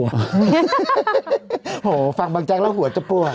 โอ้โหฟังบางแจ๊กแล้วหัวจะปวด